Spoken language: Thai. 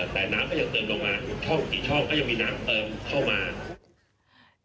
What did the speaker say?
แต่น้ำก็ยังเติมลงมากี่ช่องกี่ช่องก็ยังมีน้ำเติมเข้ามา